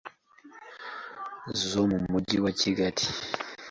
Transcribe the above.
zo mu Mujyi wa Kigali